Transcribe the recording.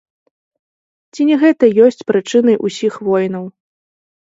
Ці не гэта ёсць прычынай усіх войнаў?